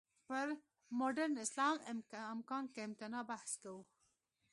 پر «مډرن اسلام، امکان که امتناع؟» بحث کوو.